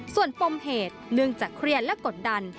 ส่วนปมเหตุเนื่องจากเครียดและกดดัน